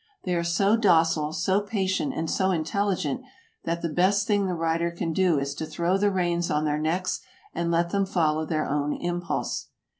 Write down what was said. They are so docile, so patient, and so intelligent that the best thing the rider can do is to throw the reins on their necks and let them follow their own impulse.